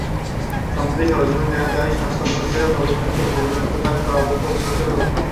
সম্প্রতি সরেজমিনে দেখা যায়, স্বাস্থ্য কমপ্লেক্সের নবনির্মিত ভবনের দোতলায় তালাবদ্ধ অস্ত্রোপচার কক্ষ।